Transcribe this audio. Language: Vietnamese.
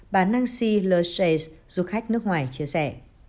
bà nancy lerchez du khách nước ngoài chia sẻ